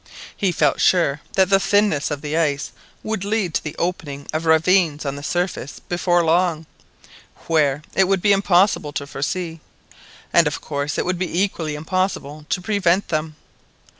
He felt sure that the thinness of the ice would lead to the opening of ravines on the surface before long; where, it would be impossible to foresee, and of course it would be equally impossible to prevent them.